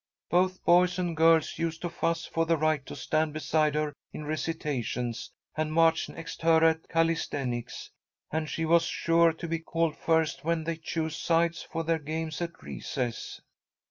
Both boys and girls used to fuss for the right to stand beside her in recitations, and march next her at calisthenics, and she was sure to be called first when they chose sides for their games at recess.